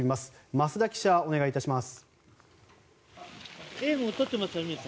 増田記者、お願いいたします。